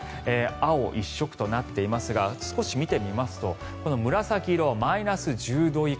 青一色となっていますが少し見てみますと紫色はマイナス１０度以下。